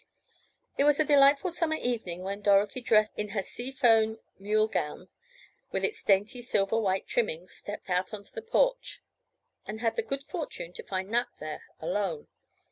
It was a delightful summer evening when Dorothy, dressed in her sea foam mulle gown, with its dainty silver white trimmings stepped out on the porch, and had the good fortune to find Nat there alone.